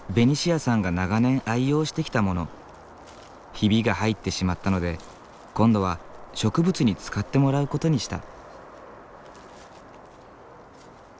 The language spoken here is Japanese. ひびが入ってしまったので今度は植物に使ってもらうことにした。